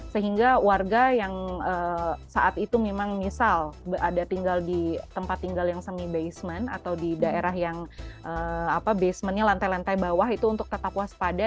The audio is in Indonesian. sehingga warga yang saat itu memang misal ada tinggal di tempat tinggal yang semi basement atau di daerah yang basementnya lantai lantai bawah itu untuk tetap waspada